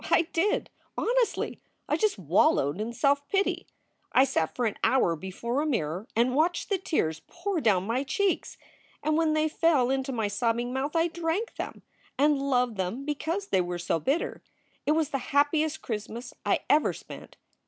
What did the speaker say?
I did! Honestly! I just wallowed in self pity. I sat for an hour before a mirror and watched the tears pour down my cheeks. And when they fell into my sobbing mouth I drank them, and loved them because they were so bitter. It was the happiest Christmas I ever spent.